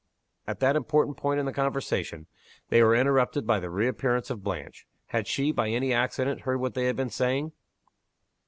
At that important point in the conversation they were interrupted by the reappearance of Blanche. Had she, by any accident, heard what they had been saying?